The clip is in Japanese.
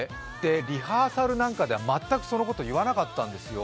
リハーサルなんかでは全くそのことを言わなかったんですよ。